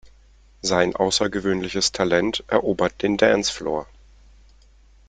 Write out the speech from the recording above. Sein außergewöhnliches Talent erobert den Dancefloor.